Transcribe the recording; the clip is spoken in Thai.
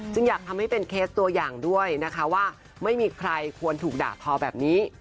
อยากทำให้เป็นเคสตัวอย่างด้วยนะคะว่าไม่มีใครควรถูกด่าทอแบบนี้